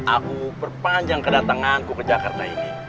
aku perpanjang kedatanganku ke jakarta ini